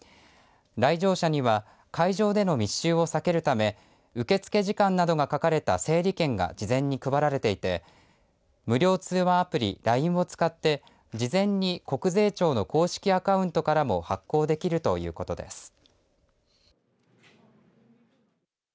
来場者には会場での密集を避けるため受け付け時間などが書かれた整理券が事前に配られていて無料通話アプリＬＩＮＥを使って事前に国税庁の公式アカウントからも発行できるということです。